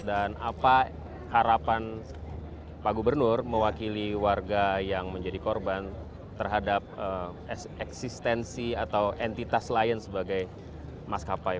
dan apa harapan pak gubernur mewakili warga yang menjadi korban terhadap eksistensi atau entitas lain sebagai maskapai